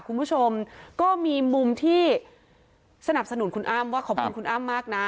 คุณผู้ชมก็มีมุมที่สนับสนุนคุณอ้ำว่าขอบคุณคุณอ้ำมากนะ